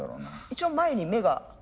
一応前に目が。